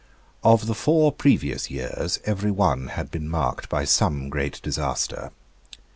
Of the four previous years every one had been marked by some great disaster.